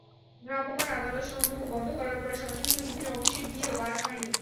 ভ্রাম্যমাণ আদালত সংযোগ বন্ধ করার পরে সংশ্লিষ্ট বিভিন্ন অফিসে গিয়েও কাজ হয়নি।